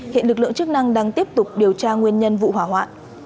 hiện lực lượng chức năng đang tiếp tục điều tra nguyên nhân vụ hỏa hoạn